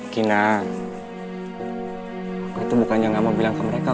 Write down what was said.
kenapa sih kamu gak bilang aja sama temen temen kamu